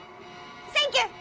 センキュー！